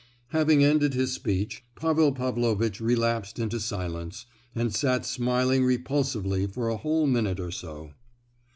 Having ended his speech, Pavel Pavlovitch relapsed into silence, and sat smiling repulsively for a whole minute or so.